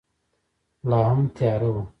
لا هم تیاره وه.